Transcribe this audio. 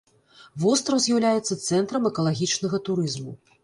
Востраў з'яўляецца цэнтрам экалагічнага турызму.